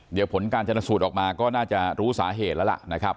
เดี๋ยวผลการชนสูตรออกมาก็น่าจะรู้สาเหตุแล้วล่ะนะครับ